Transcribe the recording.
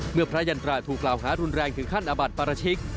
พระยันตราถูกกล่าวหารุนแรงถึงขั้นอาบัติปราชิก